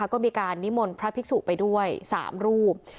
ก็มีการนิมนต์พระภิกษุไปด้วย๓รูป